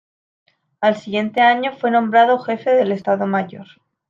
Al siguiente año fue nombrado jefe del estado mayor.